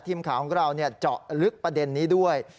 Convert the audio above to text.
ทีมข่าวของเราเจาะลึกประเด็นนี้ด้วย